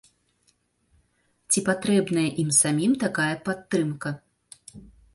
Ці патрэбная ім самім такая падтрымка.